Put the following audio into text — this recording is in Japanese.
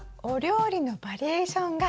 お料理のバリエーション？